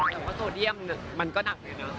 แต่ว่าโซเดียมมันก็หนักเลยเนอะ